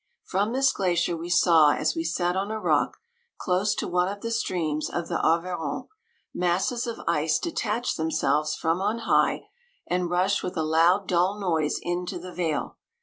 From this gla 157 cier we saw as we sat on a rock, close to one of the streams of the Arveiron, masses of ice detach themselves from on high, and rush with aloud dull noise into the vale.